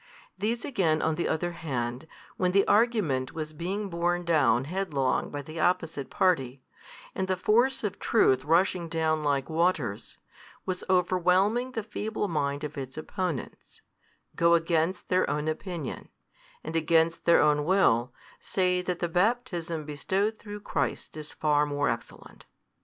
These again on the other hand, when the argument was being borne down headlong by the opposite party, and the force of truth rushing down like waters, was overwhelming the feeble mind of its opponents, go against their own opinion, and against their own will say that the baptism bestowed through Christ is far more excellent.